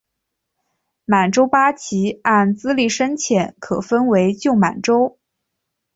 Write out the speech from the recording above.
满洲八旗按资历深浅可分为旧满洲。